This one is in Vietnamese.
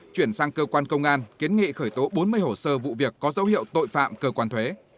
chuyển sang cơ quan công an kiến nghị khởi tố bốn mươi hồ sơ vụ việc có dấu hiệu tội phạm cơ quan thuế